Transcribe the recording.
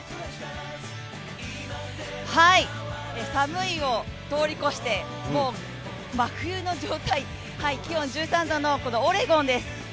寒いを通り越してもう真冬の状態気温１３度のオレゴンです。